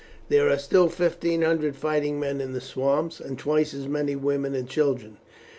There are still fifteen hundred fighting men in the swamps, and twice as many women and children.